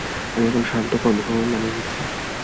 আমি এখন শান্ত, কর্মক্ষম এবং মানিয়ে নিচ্ছি!